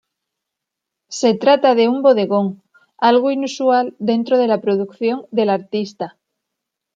Se trata de un bodegón, algo inusual dentro de la producción del artista.